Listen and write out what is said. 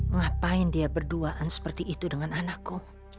ngapain dia berduaan seperti itu dengan anakku